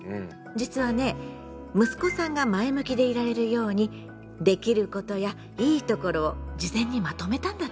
実はね息子さんが前向きでいられるようにできることやいいところを事前にまとめたんだって。